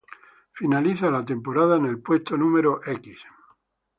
Finaliza la temporada en el puesto No.